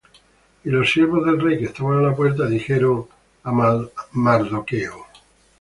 Y los siervos del rey que estaban á la puerta, dijeron á Mardochêo: